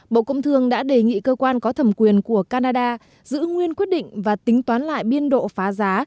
bộ công thương đã đề nghị cơ quan có thẩm quyền của canada giữ nguyên quyết định và tính toán lại biên độ phá giá